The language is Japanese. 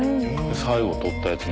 最後取ったやつ